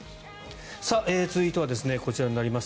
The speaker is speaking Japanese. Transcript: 続いてはこちらになります。